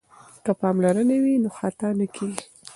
که پاملرنه وي نو خطا نه کیږي.